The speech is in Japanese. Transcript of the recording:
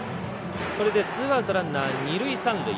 これでツーアウトランナー、二塁三塁。